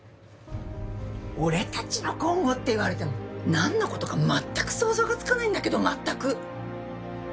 俺たちの今後って言われてもなんの事か全く想像がつかないんだけど全く！